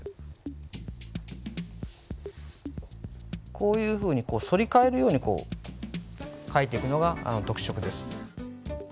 こういうふうに反り返るように書いていくのが特色です。